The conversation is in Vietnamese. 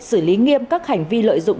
xử lý nghiêm các hành vi lợi dụng